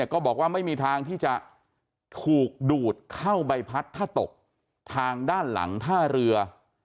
ก็บอกว่าไม่มีทางที่จะถูกดูดเข้าใบพัดถ้าตกทางด้านหลังท่าเรือ